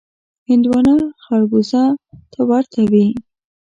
هندوانه خړبوزه ته ورته وي.